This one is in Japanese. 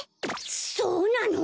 そうなの！？